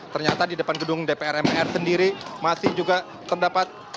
ternyata di depan gedung dpr mpr sendiri masih juga terdapat